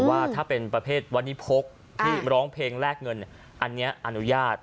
ว่าถ้าเป็นประเภทวันนี้พกที่ร้องเพลงแลกเงินอันนี้อนุญาต